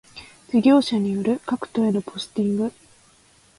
事業者による各戸へのポスティング